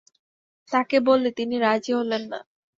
তাঁকে বললে তিনি রাজি হলেন না।